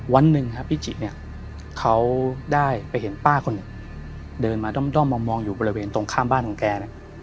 วันหนึ่งพี่จิได้ไปเห็นป้าคนนึงเดินมาด้อมด้อมมองอยู่บริเวณตรงข้ามบ้านของแก